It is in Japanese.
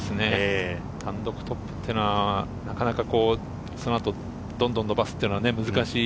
単独トップというのはなかなかその後、どんどん伸ばすというのは難しい。